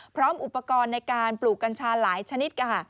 พร้อมอุปกรณ์ในการปลูกกัญชาหลายชนิดค่ะ